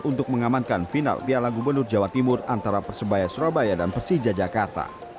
untuk mengamankan final piala gubernur jawa timur antara persebaya surabaya dan persija jakarta